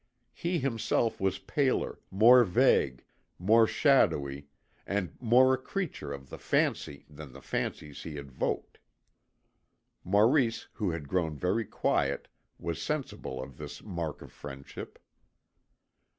He himself was paler, more vague, more shadowy, and more a creature of the fancy than the fancies he evoked. Maurice, who had grown very quiet, was sensible of this mark of friendship.